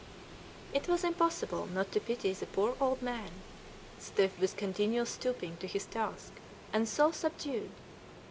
It was impossible not to pity the poor old man, stiff with continual stooping to his task, and so subdued!